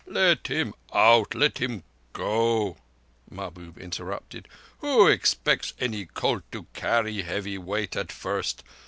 "Let him out let him go," Mahbub interrupted. "Who expects any colt to carry heavy weight at first?